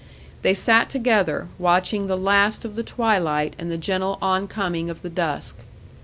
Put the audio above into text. They sat together, watching the last of the twilight and the gentle oncoming of the dusk.